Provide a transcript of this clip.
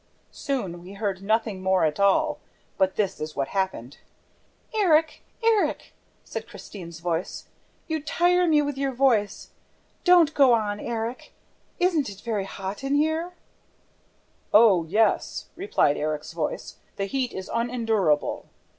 Soon we heard nothing more at all, for this is what happened: "Erik! Erik!" said Christine's voice. "You tire me with your voice. Don't go on, Erik! Isn't it very hot here?" "Oh, yes," replied Erik's voice, "the heat is unendurable!"